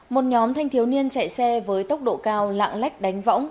một nhóm thanh thiếu niên chạy xe với tốc độ cao lạng lách đánh võng